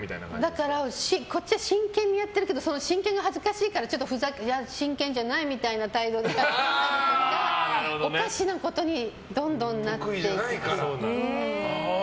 だから、こっちは真剣にやってるけど真剣が恥ずかしいから真剣じゃないみたいな態度でやっちゃうとかして得意じゃないから。